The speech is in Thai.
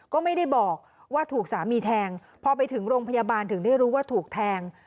ก็ไม่ได้บอกว่าถูกสามีแทงพอไปถึงโรงพยาบาลถึงได้รู้ว่าถูกแทง